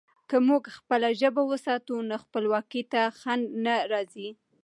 که موږ خپله ژبه وساتو، نو خپلواکي ته خنډ نه راځي.